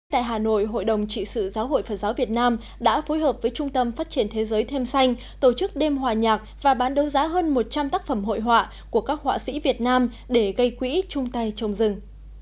tại hà nội hội đồng trị sự giáo hội phật giáo việt nam đã phối hợp với trung tâm phát triển thế giới thêm xanh tổ chức đêm hòa nhạc và bán đấu giá hơn một trăm linh tác phẩm hội họa của các họa sĩ việt nam để gây quỹ chung tay trồng rừng